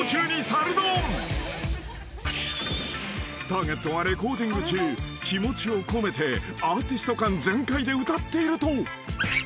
［ターゲットがレコーディング中気持ちを込めてアーティスト感全開で歌っていると］